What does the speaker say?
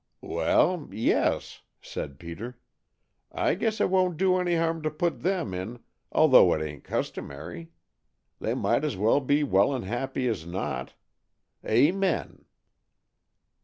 "Well yes!" said Peter. "I guess it won't do any harm to put them in, although it ain't customary. They might as well be well and happy as not. Amen!"